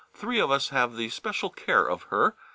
Three of us have the special care of her.